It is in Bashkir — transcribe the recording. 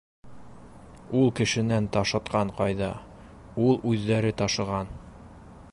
Ул кешенән ташытҡан ҡайҙа, ул үҙҙәре ташыған...